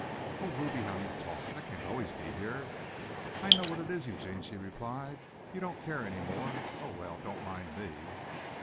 "Oh, Ruby, how you talk. I can't always be here." "I know what it is, Eugene," she replied. "You don't care any more. Oh, well, don't mind me."